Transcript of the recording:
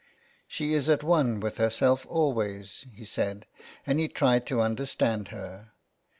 '' She is at one with herself always/' he said, and he tried to understand her.